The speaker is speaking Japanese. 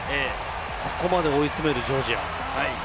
ここまで追い詰めるジョージア。